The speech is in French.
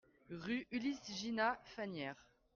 Rue Ulysse Ginat, Fagnières